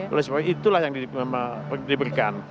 oleh sebab itulah yang diberikan